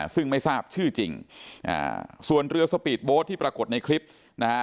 ซึ่งไม่ทราบชื่อจริงส่วนเรือสปีดโบ๊ทที่ปรากฏในคลิปนะฮะ